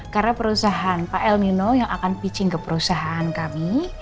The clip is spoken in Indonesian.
karena perusahaan pak el nino yang akan pitching ke perusahaan kami